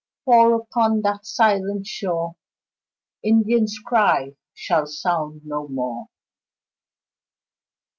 For upon that silent shore Indian's cry shall sound no more.